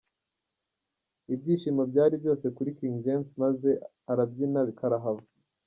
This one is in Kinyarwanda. Ibyishimo byari byose kuri King James maze arabyina karahava.